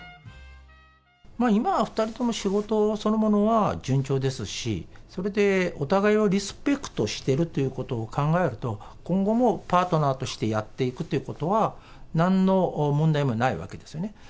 今は２人とも仕事そのものは順調ですし、それでお互いをリスペクトしてるということを考えると、今後もパートナーとしてやっていくということは、なんの問題もないわけですよね。